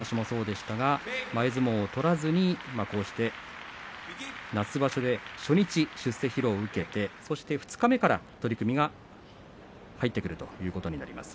１年前の春場所もそうでしたが前相撲を取らずにこうして夏場所で初日、出世披露を受けてそして二日目から取組が入ってくるということになります。